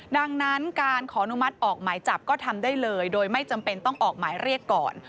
ดังนั้นการขออนุมัติออกหมายจับก็ทำได้เลยโดยไม่จำเป็นต้องออกหมายเรียกก่อน